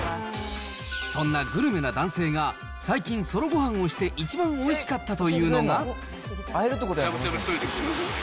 そんなグルメな男性が、最近ソロごはんをして一番おいしかったというのが。